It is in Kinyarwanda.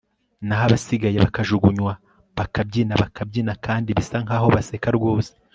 naho abasigaye bakajugunywa bakabyina bakabyina kandi bisa nkaho baseka rwose